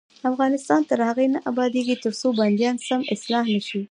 افغانستان تر هغو نه ابادیږي، ترڅو بندیان سم اصلاح نشي.